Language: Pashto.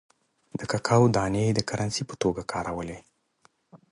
د ککو دانې د کرنسۍ په توګه کارولې.